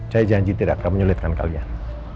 saya janji tidak akan menyulitkan kalian